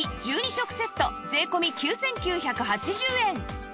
食セット税込９９８０円